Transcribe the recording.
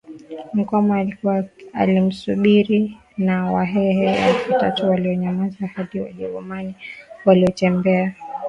Mkwawa alikuwa alimsubiri na Wahehe elfu tatu walionyamaza hadi Wajerumani waliotembea kwa umbo la